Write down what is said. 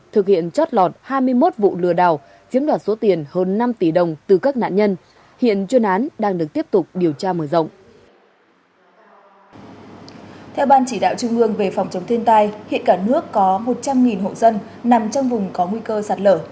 theo ban chỉ đạo trung ương về phòng chống thiên tai hiện cả nước có một trăm linh hộ dân nằm trong vùng có nguy cơ sạt lở